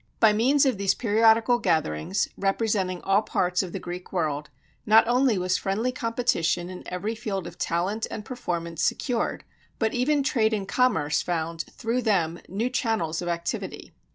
By means of these periodical gatherings, representing all parts of the Greek world, not only was friendly competition in every field of talent and performance secured, but even trade and commerce found through them new channels of activity.